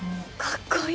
かっこいい！